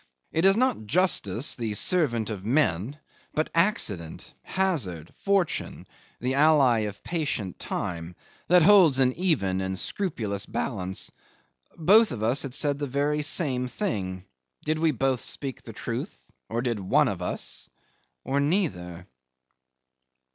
It is not Justice the servant of men, but accident, hazard, Fortune the ally of patient Time that holds an even and scrupulous balance. Both of us had said the very same thing. Did we both speak the truth or one of us did or neither?